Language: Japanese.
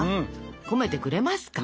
込めてくれますか？